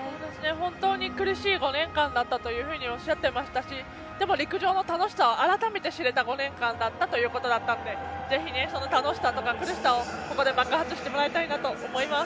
本当に苦しい５年間だったとおっしゃってましたしでも陸上の楽しさを改めて知れた５年間だったということなのでぜひ、その楽しさや苦しさをここで爆発させてほしいと思います。